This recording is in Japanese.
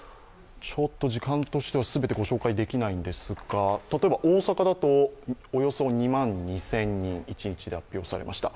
時間としては全てご紹介できないのですが、例えば大阪だと、およそ２万２０００人、一日で発表されました。